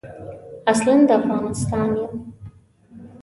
اصلاً د افغانستان یم.